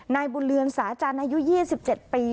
นายบุญเรือนสาจันทร์อายุ๒๗ปี